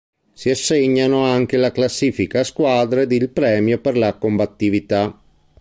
Si assegnano anche la classifica a squadre e il premio per la combattività.